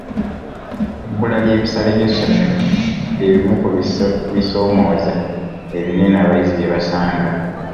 Ebbula ly'ebisale by'essomero by'ebimu ku bisomooza ebinene abayizi bye basanga.